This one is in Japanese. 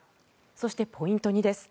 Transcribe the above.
そして、ポイント２です。